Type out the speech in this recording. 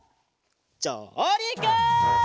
じょうりく！